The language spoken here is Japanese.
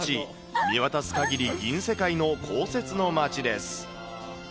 見渡す限り銀世界の降雪の町です。